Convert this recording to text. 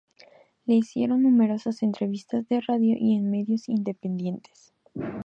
Le hicieron numerosas entrevistas de radio y en medios independientes.